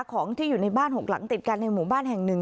ของที่อยู่ในบ้าน๖หลังติดกันในหมู่บ้านแห่งหนึ่ง